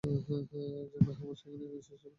একজন মেহমান সেখানে এসেছিল।